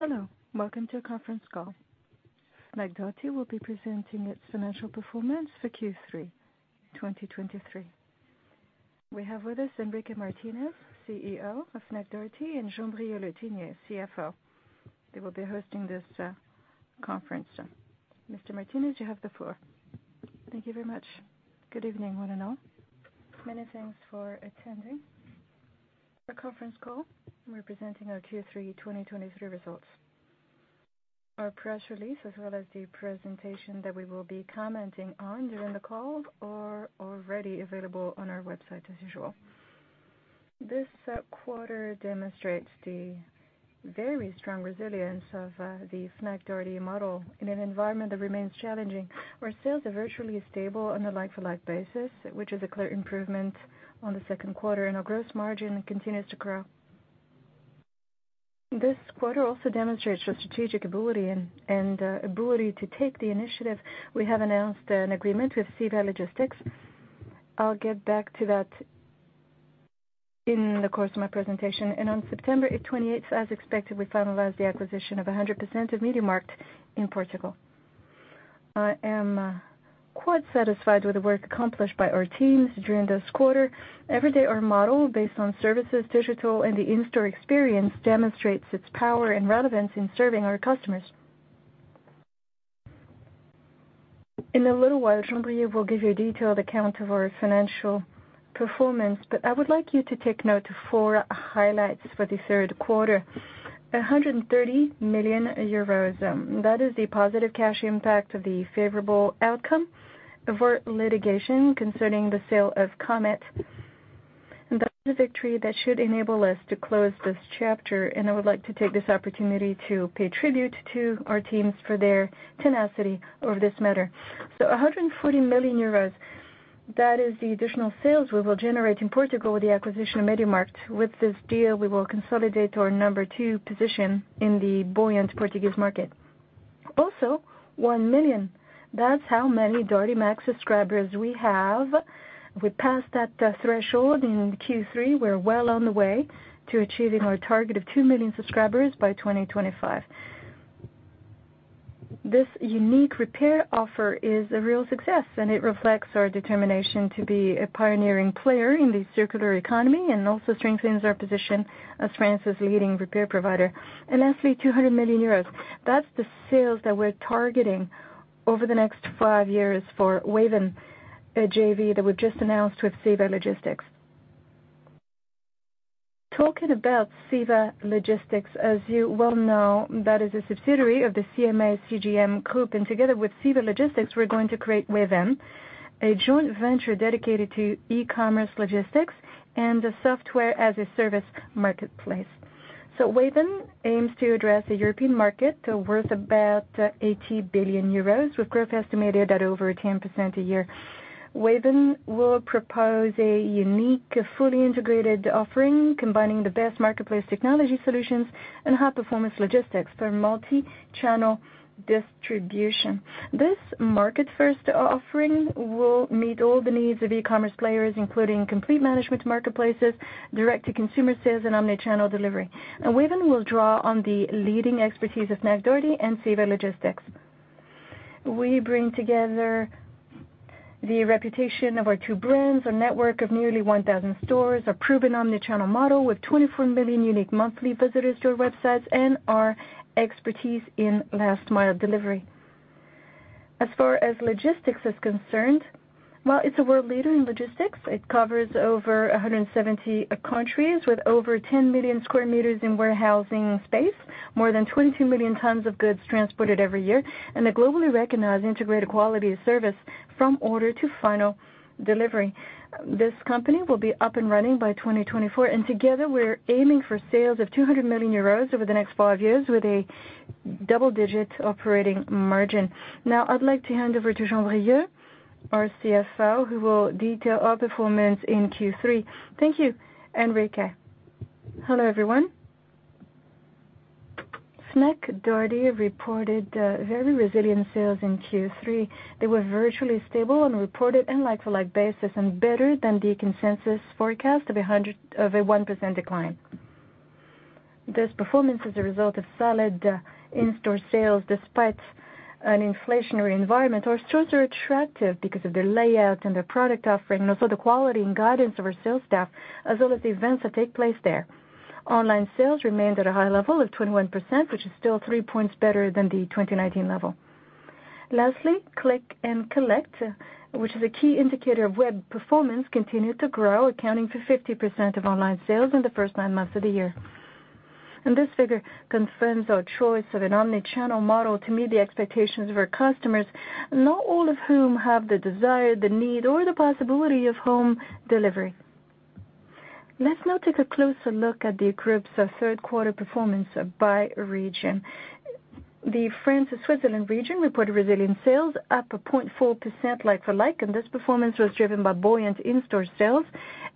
Hello, welcome to our conference call. Fnac Darty will be presenting its financial performance for Q3 2023. We have with us Enrique Martinez, CEO of Fnac Darty, and Jean-Brieuc Le Tinier, CFO. They will be hosting this conference. Mr. Martinez, you have the floor. Thank you very much. Good evening, one and all. Many thanks for attending our conference call. We're presenting our Q3 2023 results. Our press release, as well as the presentation that we will be commenting on during the call, are already available on our website, as usual. This quarter demonstrates the very strong resilience of the Fnac Darty model in an environment that remains challenging, where sales are virtually stable on a like-for-like basis, which is a clear improvement on the second quarter, and our gross margin continues to grow. This quarter also demonstrates the strategic ability and ability to take the initiative. We have announced an agreement with CEVA Logistics. I'll get back to that in the course of my presentation. And on September 28th, as expected, we finalized the acquisition of 100% of MediaMarkt in Portugal. I am quite satisfied with the work accomplished by our teams during this quarter. Every day, our model, based on services, digital, and the in-store experience, demonstrates its power and relevance in serving our customers. In a little while, Jean-Brieuc will give you a detailed account of our financial performance, but I would like you to take note of four highlights for the third quarter. 130 million euros, that is the positive cash impact of the favorable outcome of our litigation concerning the sale of Comet. That's a victory that should enable us to close this chapter. I would like to take this opportunity to pay tribute to our teams for their tenacity over this matter. 140 million euros, that is the additional sales we will generate in Portugal with the acquisition of MediaMarkt. With this deal, we will consolidate our number two position in the buoyant Portuguese market. Also, 1 million, that's how many Darty Max subscribers we have. We passed that threshold in Q3. We're well on the way to achieving our target of 2 million subscribers by 2025. This unique repair offer is a real success, and it reflects our determination to be a pioneering player in the circular economy and also strengthens our position as France's leading repair provider. Lastly, 200 million euros. That's the sales that we're targeting over the next five years for Weavenn, a JV that we've just announced with CEVA Logistics. Talking about CEVA Logistics, as you well know, that is a subsidiary of the CMA CGM Group, and together with CEVA Logistics, we're going to create Weavenn, a joint venture dedicated to e-commerce, logistics, and a software-as-a-service marketplace. So Weavenn aims to address the European market, worth about 80 billion euros, with growth estimated at over 10% a year. Weavenn will propose a unique, fully integrated offering, combining the best marketplace technology solutions and high-performance logistics for multi-channel distribution. This market-first offering will meet all the needs of e-commerce players, including complete management marketplaces, direct-to-consumer sales, and omni-channel delivery. Now, Weavenn will draw on the leading expertise of Fnac Darty and CEVA Logistics. We bring together the reputation of our two brands, a network of nearly 1,000 stores, a proven omni-channel model with 24 million unique monthly visitors to our websites, and our expertise in last-mile delivery. As far as logistics is concerned, well, it's a world leader in logistics. It covers over 170 countries with over 10 million square meters in warehousing space, more than 22 million tons of goods transported every year, and a globally recognized integrated quality of service from order to final delivery. This company will be up and running by 2024, and together, we're aiming for sales of 200 million euros over the next 5 years with a double-digit operating margin. Now, I'd like to hand over to Jean-Brieuc, our CFO, who will detail our performance in Q3. Thank you, Enrique. Hello, everyone. Fnac Darty reported very resilient sales in Q3. They were virtually stable and reported on a Like-for-like basis, and better than the consensus forecast of a 1% decline. This performance is a result of solid, in-store sales despite an inflationary environment. Our stores are attractive because of their layout and their product offering, and also the quality and guidance of our sales staff, as well as the events that take place there. Online sales remained at a high level of 21%, which is still three points better than the 2019 level. Lastly, Click and Collect, which is a key indicator of web performance, continued to grow, accounting for 50% of online sales in the first nine months of the year. This figure confirms our choice of an omni-channel model to meet the expectations of our customers, not all of whom have the desire, the need, or the possibility of home delivery. Let's now take a closer look at the group's third quarter performance by region. The France and Switzerland region reported resilient sales, up 0.4% like-for-like, and this performance was driven by buoyant in-store sales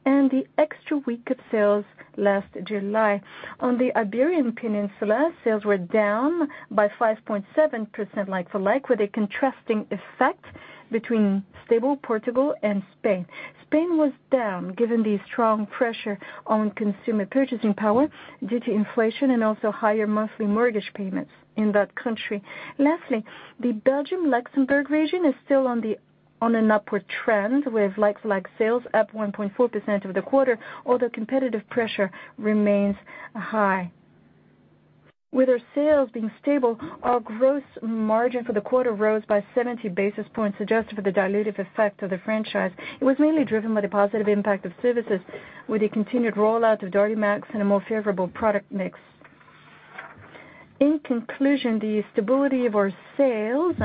and the extra week of sales last July. On the Iberian Peninsula, sales were down by 5.7% like-for-like, with a contrasting effect between stable Portugal and Spain. Spain was down, given the strong pressure on consumer purchasing power due to inflation and also higher monthly mortgage payments in that country. Lastly, the Belgium-Luxembourg region is still on an upward trend, with like-for-like sales up 1.4% over the quarter, although competitive pressure remains high. With our sales being stable, our gross margin for the quarter rose by 70 basis points, adjusted for the dilutive effect of the franchise. It was mainly driven by the positive impact of services, with a continued rollout of Darty Max and a more favorable product mix. In conclusion, the stability of our sales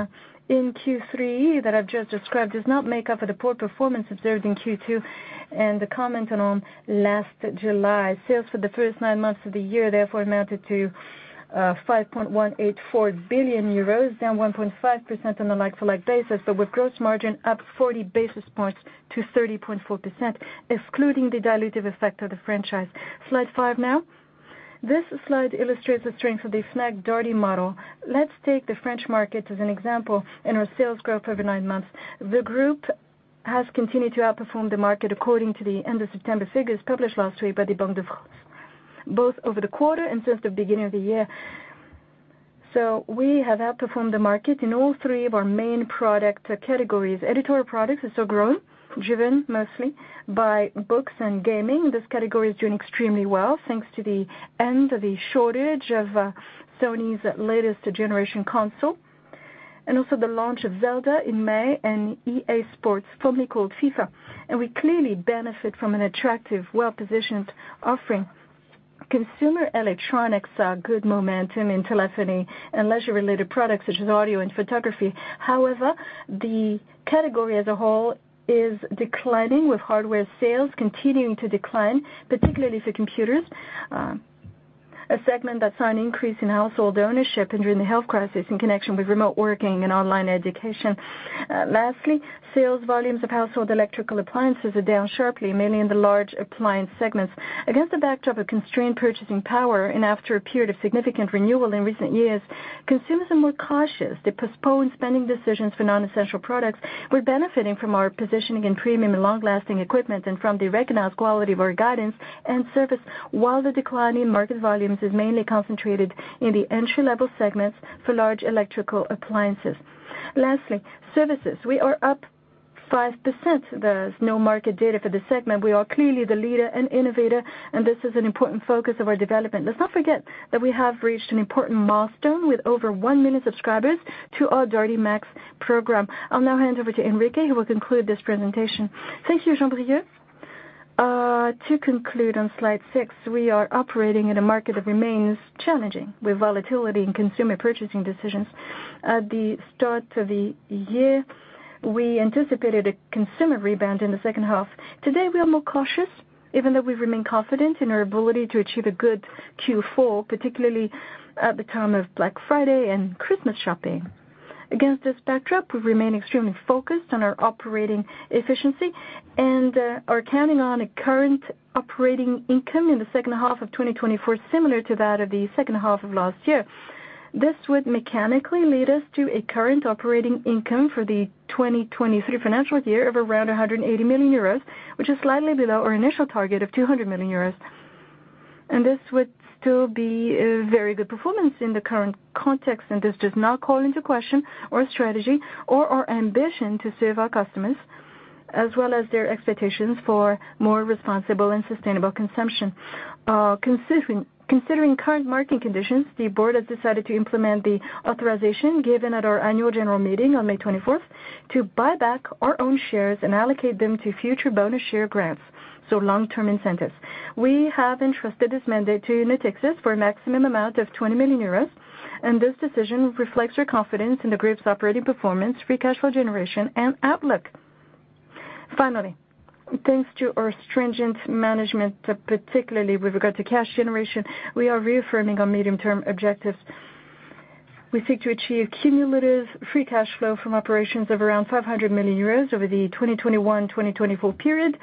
in Q3 that I've just described does not make up for the poor performance observed in Q2 and the comment on last July. Sales for the first nine months of the year, therefore, amounted to 5.184 billion euros, down 1.5% on a like-for-like basis, but with gross margin up 40 basis points to 30.4%, excluding the dilutive effect of the franchise. Slide five now. This slide illustrates the strength of the Fnac Darty model. Let's take the French market as an example in our sales growth over nine months. The group has continued to outperform the market according to the end of September figures published last week by the Banque de France, both over the quarter and since the beginning of the year. We have outperformed the market in all three of our main product categories. Editorial products are still growing, driven mostly by books and gaming. This category is doing extremely well, thanks to the end of the shortage of Sony's latest generation console, and also the launch of Zelda in May and EA Sports, formerly called FIFA. We clearly benefit from an attractive, well-positioned offering. Consumer electronics are good momentum in telephony and leisure-related products, such as audio and photography. However, the category as a whole is declining, with hardware sales continuing to decline, particularly for computers, a segment that saw an increase in household ownership during the health crisis in connection with remote working and online education. Lastly, sales volumes of household electrical appliances are down sharply, mainly in the large appliance segments. Against the backdrop of constrained purchasing power and after a period of significant renewal in recent years, consumers are more cautious. They postpone spending decisions for non-essential products. We're benefiting from our positioning in premium and long-lasting equipment and from the recognized quality of our guidance and service, while the decline in market volumes is mainly concentrated in the entry-level segments for large electrical appliances. Lastly, services. We are up 5%. There's no market data for this segment. We are clearly the leader and innovator, and this is an important focus of our development. Let's not forget that we have reached an important milestone with over 1 million subscribers to our Darty Max program. I'll now hand over to Enrique, who will conclude this presentation. Thank you, Jean-Brieuc. To conclude on slide six, we are operating in a market that remains challenging, with volatility in consumer purchasing decisions. At the start of the year, we anticipated a consumer rebound in the second half. Today, we are more cautious, even though we remain confident in our ability to achieve a good Q4, particularly at the time of Black Friday and Christmas shopping. Against this backdrop, we remain extremely focused on our operating efficiency and are counting on a current operating income in the second half of 2024, similar to that of the second half of last year. This would mechanically lead us to a current operating income for the 2023 financial year of around 180 million euros, which is slightly below our initial target of 200 million euros. This would still be a very good performance in the current context, and this does not call into question our strategy or our ambition to serve our customers, as well as their expectations for more responsible and sustainable consumption. Considering current market conditions, the board has decided to implement the authorization given at our annual general meeting on May 24, to buy back our own shares and allocate them to future bonus share grants, so long-term incentives. We have entrusted this mandate to Natixis for a maximum amount of 20 million euros, and this decision reflects our confidence in the group's operating performance, free cash flow generation, and outlook. Finally, thanks to our stringent management, particularly with regard to cash generation, we are reaffirming our medium-term objectives. We seek to achieve cumulative free cash flow from operations of around 500 million euros over the 2021-2024 period.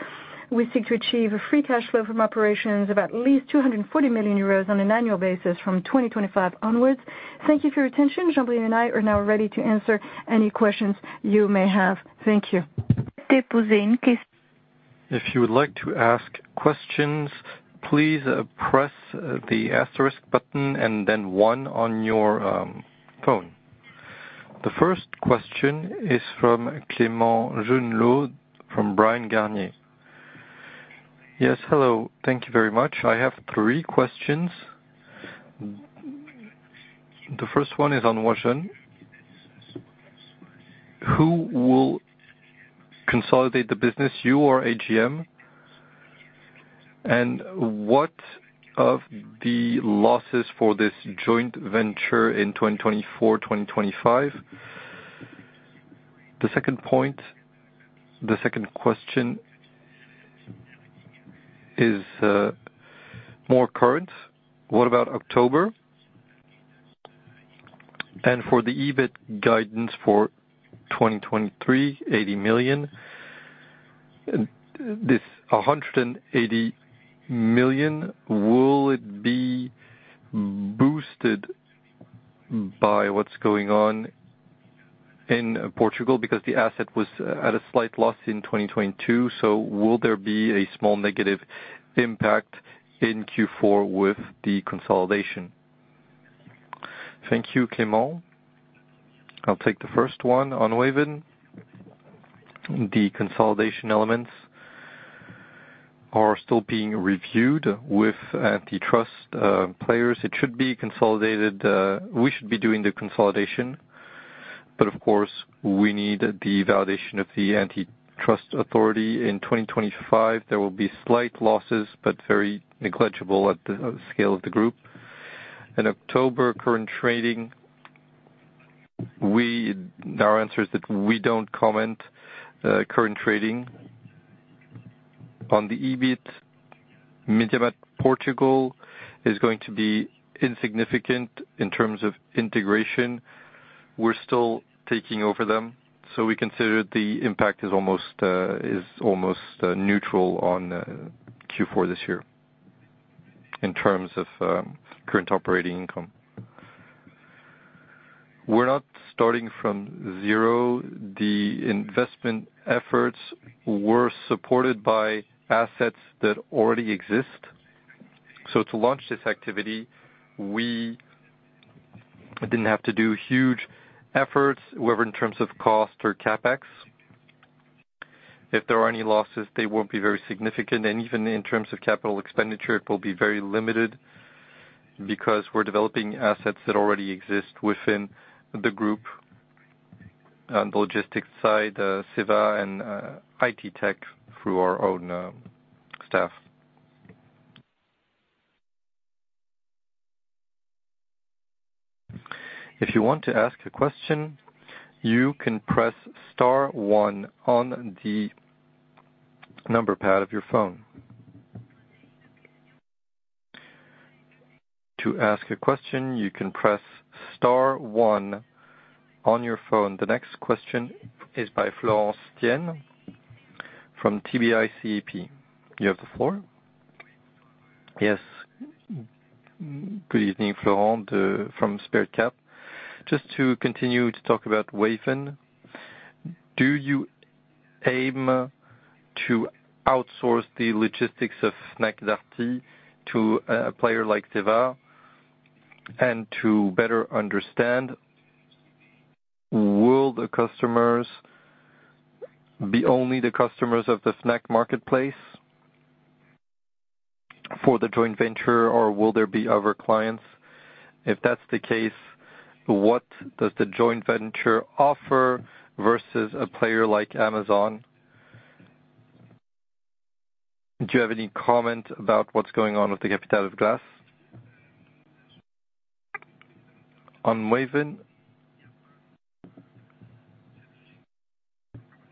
We seek to achieve a free cash flow from operations of at least 240 million euros on an annual basis from 2025 onwards. Thank you for your attention. Jean-Brieuc and I are now ready to answer any questions you may have. Thank you. If you would like to ask questions, please, press the asterisk button and then one on your phone. The first question is from Clément Genelot, from Bryan, Garnier & Co. Yes, hello. Thank you very much. I have three questions. The first one is on Weavenn. Who will consolidate the business, you or CEVA? And what of the losses for this joint venture in 2024, 2025? The second point, the second question is more current. What about October? And for the EBIT guidance for 2023, 80 million? And this 180 million, will it be boosted by what's going on in Portugal? Because the asset was at a slight loss in 2022. So will there be a small negative impact in Q4 with the consolidation? Thank you, Clément. I'll take the first one. On Weavenn, the consolidation elements are still being reviewed with antitrust players. It should be consolidated, we should be doing the consolidation, but of course, we need the validation of the antitrust authority. In 2025, there will be slight losses, but very negligible at the scale of the group. In October, current trading, our answer is that we don't comment current trading. On the EBIT, MediaMarkt Portugal is going to be insignificant in terms of integration. We're still taking over them, so we consider the impact is almost neutral on Q4 this year in terms of current operating income. We're not starting from zero. The investment efforts were supported by assets that already exist. So to launch this activity, we didn't have to do huge efforts. However, in terms of cost or CapEx, if there are any losses, they won't be very significant, and even in terms of capital expenditure, it will be very limited, because we're developing assets that already exist within the group. On the logistics side, CEVA and IT Tech through our own staff. If you want to ask a question, you can press star one on the number pad of your phone. To ask a question, you can press star one on your phone. The next question is by Florent Thy-Tine from TP ICAP Midcap. You have the floor. Yes. Good evening, Florent, from TP ICAP. Just to continue to talk about Weavenn, do you aim to outsource the logistics of Fnac Darty to a player like CEVA? To better understand, will the customers be only the customers of the Fnac marketplace for the joint venture, or will there be other clients? If that's the case, what does the joint venture offer versus a player like Amazon? Do you have any comment about what's going on with the Capital de la SFAM? On Weavenn,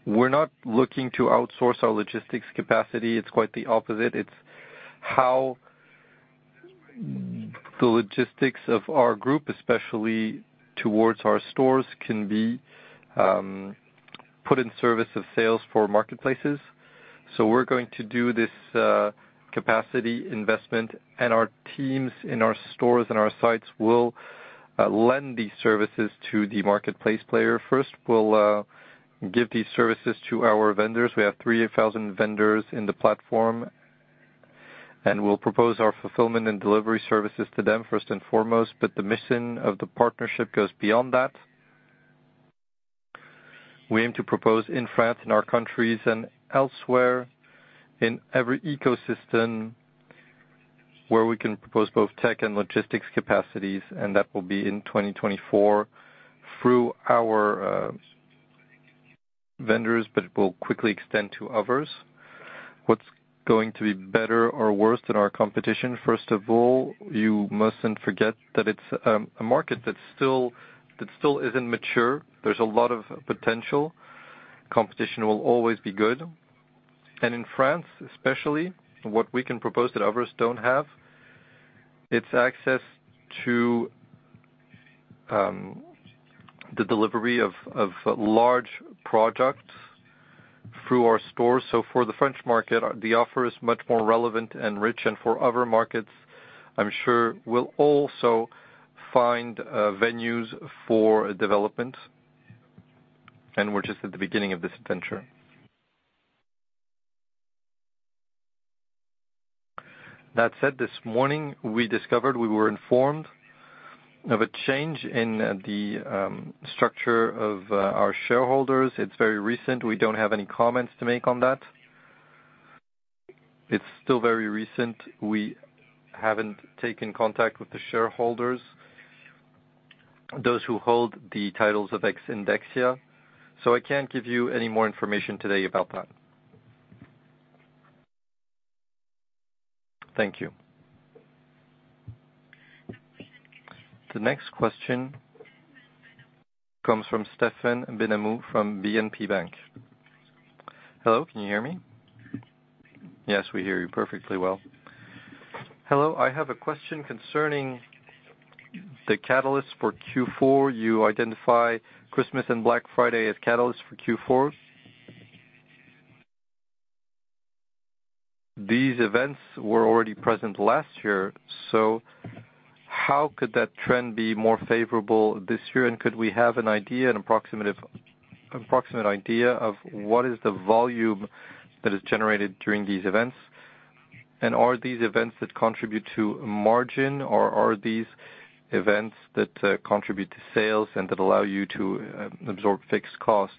we're not looking to outsource our logistics capacity. It's quite the opposite. It's how the logistics of our group, especially towards our stores, can be put in service of sales for marketplaces. So we're going to do this capacity investment and our teams in our stores and our sites will lend these services to the marketplace player. First, we'll give these services to our vendors. We have 3,000 vendors in the platform, and we'll propose our fulfillment and delivery services to them first and foremost, but the mission of the partnership goes beyond that. We aim to propose in France, in our countries and elsewhere, in every ecosystem where we can propose both tech and logistics capacities, and that will be in 2024 through our vendors, but it will quickly extend to others. What's going to be better or worse than our competition? First of all, you mustn't forget that it's a market that's still, that still isn't mature. There's a lot of potential. Competition will always be good. And in France, especially, what we can propose that others don't have, it's access to the delivery of large products through our stores. So for the French market, the offer is much more relevant and rich, and for other markets, I'm sure we'll also find venues for development, and we're just at the beginning of this venture. That said, this morning, we discovered, we were informed of a change in the structure of our shareholders. It's very recent. We don't have any comments to make on that. It's still very recent. We haven't taken contact with the shareholders, those who hold the titles of Indexia, so I can't give you any more information today about that. Thank you. The next question comes from Stéphane Benhamou, from BNP Paribas. Hello, can you hear me?... Yes, we hear you perfectly well. Hello, I have a question concerning the catalyst for Q4. You identify Christmas and Black Friday as catalyst for Q4. These events were already present last year, so how could that trend be more favorable this year? And could we have an idea, an approximative, approximate idea of what is the volume that is generated during these events? And are these events that contribute to margin, or are these events that contribute to sales and that allow you to absorb fixed costs?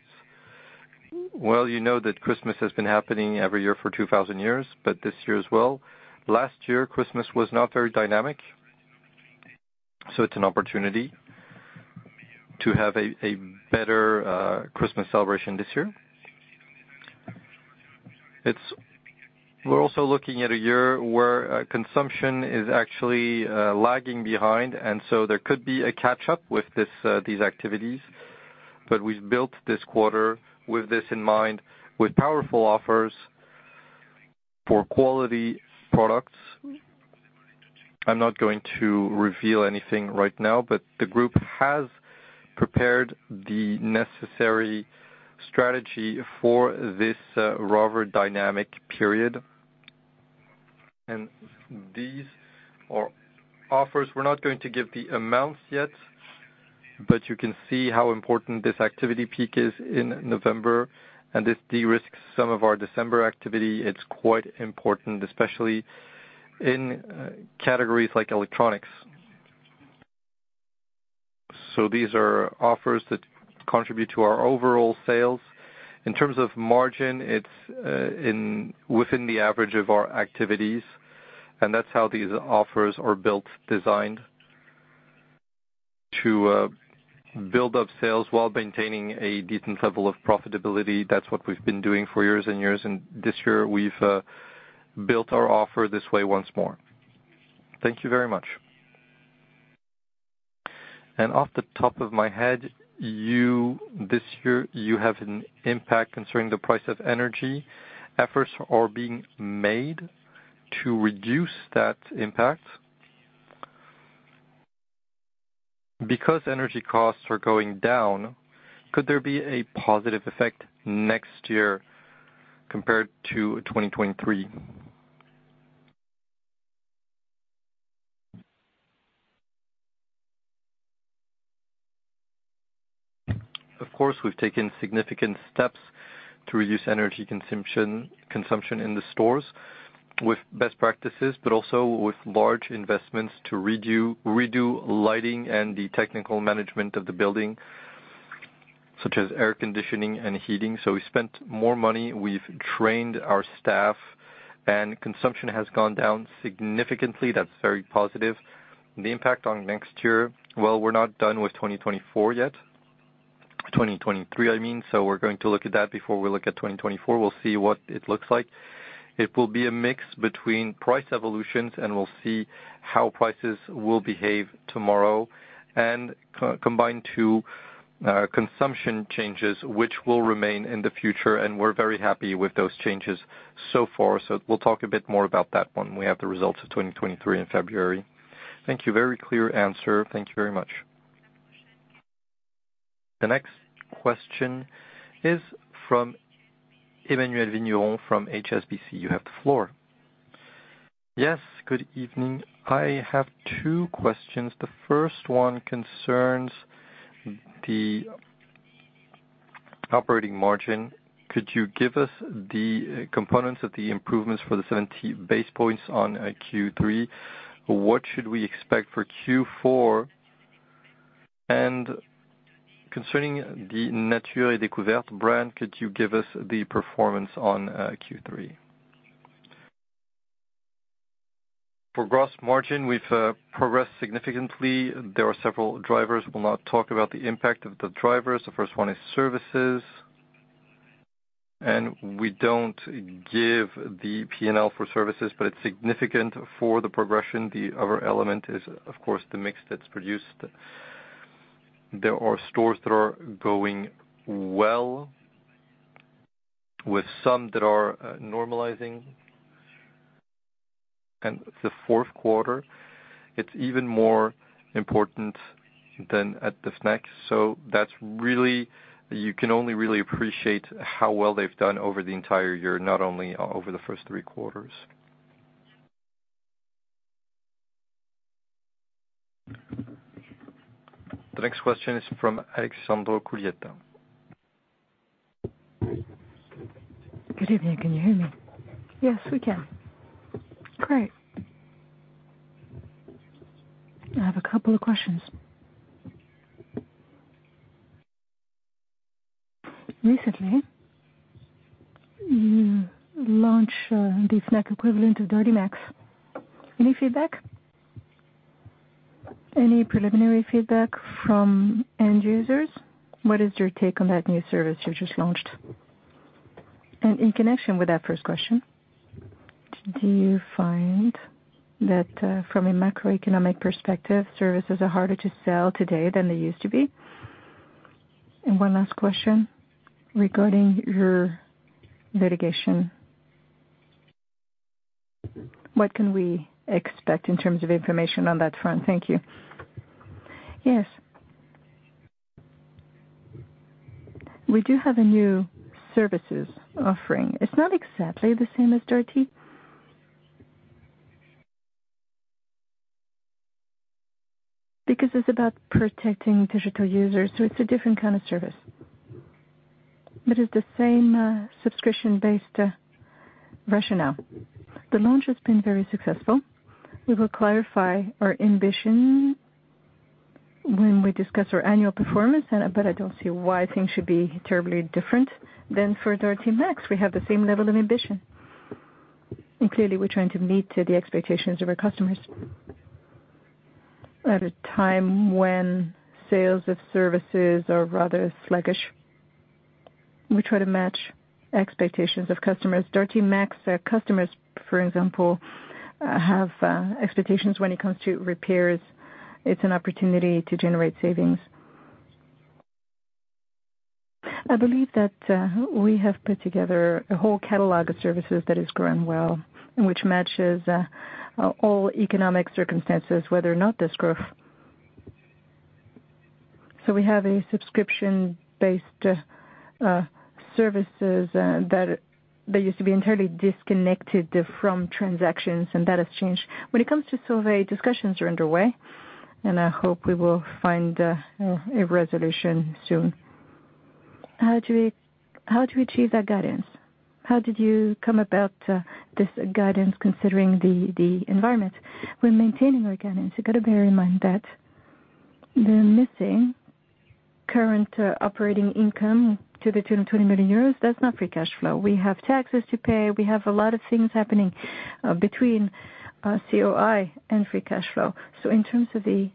Well, you know that Christmas has been happening every year for 2,000 years, but this year as well. Last year, Christmas was not very dynamic, so it's an opportunity to have a better Christmas celebration this year. It's. We're also looking at a year where consumption is actually lagging behind, and so there could be a catch-up with this these activities. But we've built this quarter with this in mind, with powerful offers for quality products. I'm not going to reveal anything right now, but the group has prepared the necessary strategy for this rather dynamic period. And these are offers. We're not going to give the amounts yet, but you can see how important this activity peak is in November, and this de-risks some of our December activity. It's quite important, especially in categories like electronics. So these are offers that contribute to our overall sales. In terms of margin, it's within the average of our activities, and that's how these offers are built, designed, to build up sales while maintaining a decent level of profitability. That's what we've been doing for years and years, and this year we've built our offer this way once more. Thank you very much. And off the top of my head, you—this year, you have an impact concerning the price of energy. Efforts are being made to reduce that impact. Because energy costs are going down, could there be a positive effect next year compared to 2023? Of course, we've taken significant steps to reduce energy consumption, consumption in the stores with best practices, but also with large investments to redo, redo lighting and the technical management of the building, such as air conditioning and heating. So we spent more money, we've trained our staff, and consumption has gone down significantly. That's very positive. The impact on next year, well, we're not done with 2024 yet, 2023, I mean, so we're going to look at that before we look at 2024. We'll see what it looks like. It will be a mix between price evolutions, and we'll see how prices will behave tomorrow, and combined to, consumption changes, which will remain in the future, and we're very happy with those changes so far. So we'll talk a bit more about that when we have the results of 2023 in February. Thank you. Very clear answer. Thank you very much. The next question is from Emmanuelle Vignon from HSBC. You have the floor. Yes, good evening. I have two questions. The first one concerns the operating margin. Could you give us the components of the improvements for the 70 base points on Q3? What should we expect for Q4? And concerning the Nature et Découvertes brand, could you give us the performance on Q3? For gross margin, we've progressed significantly. There are several drivers. We'll not talk about the impact of the drivers. The first one is services, and we don't give the P&L for services, but it's significant for the progression. The other element is, of course, the mix that's produced. There are stores that are going well, with some that are normalizing. The fourth quarter, it's even more important than at the Fnac. So that's really. You can only really appreciate how well they've done over the entire year, not only over the first three quarters. The next question is from Alessandro Cuglietta. Good evening. Can you hear me? Yes, we can. Great. I have a couple of questions. Recently, you launched the Fnac equivalent of Darty Max. Any feedback? Any preliminary feedback from end users? What is your take on that new service you just launched? And in connection with that first question, do you find that, from a macroeconomic perspective, services are harder to sell today than they used to be? One last question regarding your litigation. What can we expect in terms of information on that front? Thank you. Yes. We do have a new services offering. It's not exactly the same as Darty, because it's about protecting digital users, so it's a different kind of service. But it's the same, subscription-based, rationale. The launch has been very successful. We will clarify our ambition when we discuss our annual performance, and, but I don't see why things should be terribly different than for Darty Max. We have the same level of ambition, and clearly we're trying to meet the expectations of our customers. At a time when sales of services are rather sluggish, we try to match expectations of customers. Darty Max, customers, for example, have, expectations when it comes to repairs. It's an opportunity to generate savings. I believe that, we have put together a whole catalog of services that has grown well, and which matches, all economic circumstances, whether or not there's growth. So we have a subscription-based services, that that used to be entirely disconnected from transactions, and that has changed. When it comes to SFAM, discussions are underway, and I hope we will find, a resolution soon. How do we achieve that guidance? How did you come about, this guidance, considering the environment? We're maintaining our guidance. You've got to bear in mind that the missing current operating income to the tune of 20 million euros, that's not free cash flow. We have taxes to pay. We have a lot of things happening, between, COI and free cash flow. So in terms of the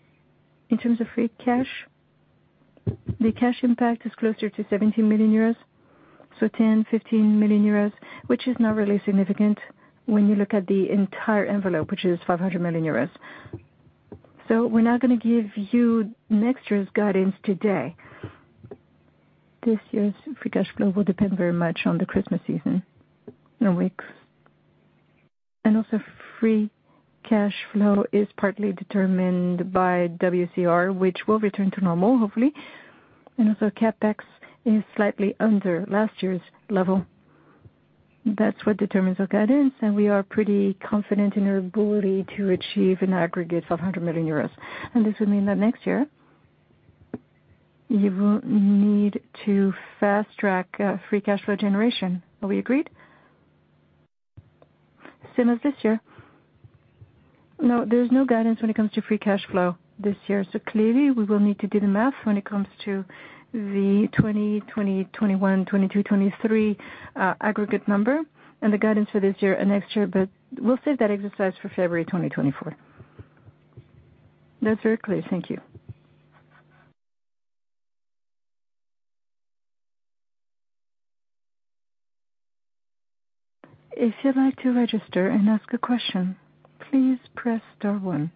in terms of free cash, the cash impact is closer to 17 million euros, so 10 million-15 million euros, which is not really significant when you look at the entire envelope, which is 500 million euros. So we're not going to give you next year's guidance today. This year's free cash flow will depend very much on the Christmas season, no weeks. And also, free cash flow is partly determined by WCR, which will return to normal, hopefully. And also, CapEx is slightly under last year's level. That's what determines our guidance, and we are pretty confident in our ability to achieve an aggregate of 100 million euros. And this would mean that next year, you will need to fast-track free cash flow generation. Are we agreed? Same as this year. No, there's no guidance when it comes to free cash flow this year. So clearly, we will need to do the math when it comes to the 2021, 2022, 2023 aggregate number and the guidance for this year and next year, but we'll save that exercise for February 2024. That's very clear. Thank you. If you'd like to register and ask a question, please press star one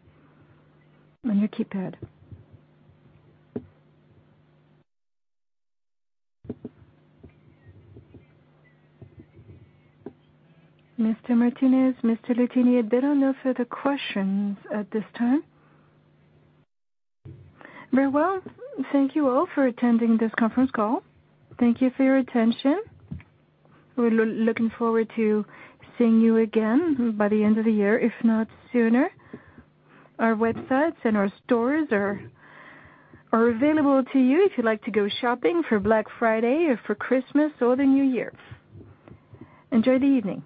on your keypad. Mr. Martinez, Mr. Le Tinier, there are no further questions at this time. Very well. Thank you all for attending this conference call. Thank you for your attention. We're looking forward to seeing you again by the end of the year, if not sooner. Our websites and our stores are available to you if you'd like to go shopping for Black Friday or for Christmas or the New Year. Enjoy the evening.